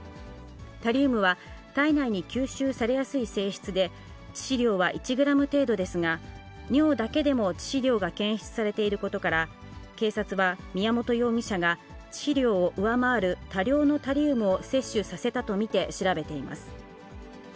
タリウムは体内に吸収されやすい性質で、致死量は１グラム程度ですが、尿だけでも致死量が検出されていることから、警察は、宮本容疑者が、致死量を上回る多量のタリウムを摂取させたと見て調べています。